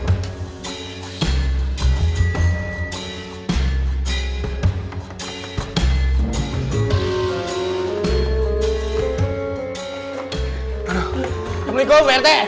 assalamualaikum pak rete